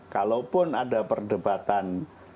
kalaupun ada perdebatan